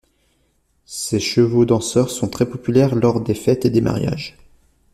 Ces chevaux danseurs sont très populaires lors des fêtes et des mariages.